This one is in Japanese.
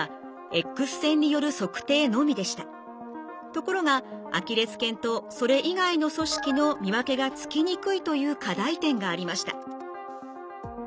ところがアキレス腱とそれ以外の組織の見分けがつきにくいという課題点がありました。